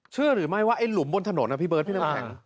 เชื่อหรือไม่ว่าไอ้หลุมบนถนนนะพี่เบิร์ดพี่น้ำแข็ง